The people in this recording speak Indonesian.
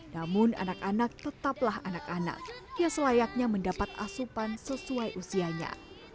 namun anak anak tetaplah anak anak yang selayaknya mendapat asupan sesuai usianya